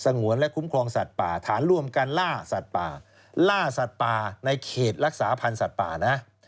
ในเขตรักษาพันธุ์สัตว์ป่านะ